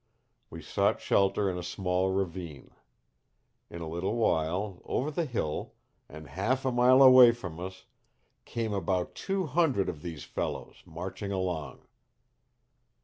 We sought shelter in a small ravine. In a little while, over the hill and half a mile away from us, came about two hundred of these fellows, marching along.